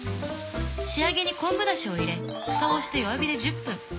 仕上げに昆布ダシを入れフタをして弱火で１０分。